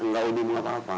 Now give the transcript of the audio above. gak ada hubungan apa apa